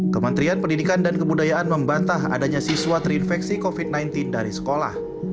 kementerian pendidikan dan kebudayaan membantah adanya siswa terinfeksi covid sembilan belas dari sekolah